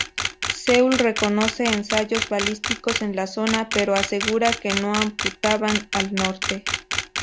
Seúl reconoce ensayos balísticos en la zona pero asegura que no apuntaban al norte.